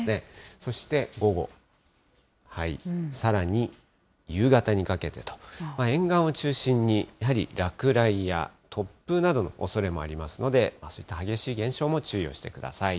そして午後、さらに夕方にかけてと、沿岸を中心に、やはり落雷や突風などのおそれもありますので、そういった激しい現象も注意をしてください。